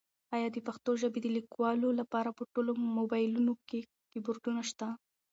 ایا د پښتو ژبې د لیکلو لپاره په ټولو مبایلونو کې کیبورډونه شته؟